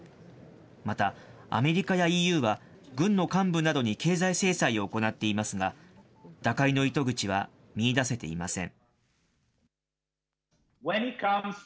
また、アメリカやＥＵは軍の幹部などに経済制裁を行っていますが、打開の糸口は見いだせていません。